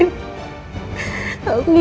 aku gak kuat sayang